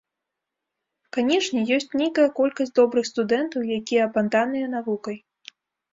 Канешне, ёсць нейкая колькасць добрых студэнтаў, якія апантаныя навукай.